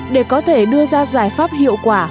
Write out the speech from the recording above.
để có thể đưa ra giải pháp hiệu quả